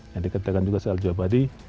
yang dikatakan juga salju abadi